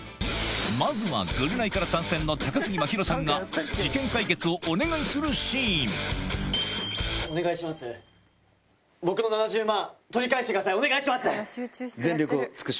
まずは『ぐるナイ』から参戦の高杉真宙さんが事件解決をお願いするシーンお願いします。